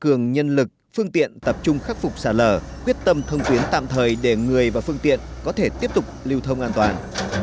cường nhân lực phương tiện tập trung khắc phục xả lở quyết tâm thông tuyến tạm thời để người và phương tiện có thể tiếp tục lưu thông an toàn